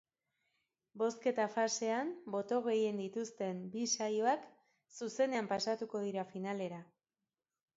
Bozketa-fasean boto gehien dituzten bi saioak zuzenean pasatuko dira finalera.